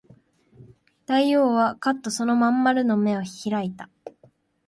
大王はかっとその真ん丸の眼を開いた